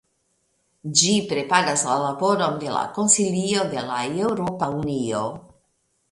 Ĝi preparas la laboron de la Konsilio de la Eŭropa Unio.